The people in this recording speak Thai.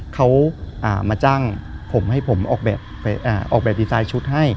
เขามาจ้างผมให้ผมออกแบบดีไซน์ชุดให้